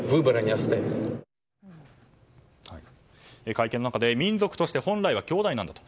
会見の中で、民族として本来は兄弟なんだと。